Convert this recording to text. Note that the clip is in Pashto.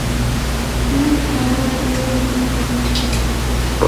نن هوا ډېره ګرمه ده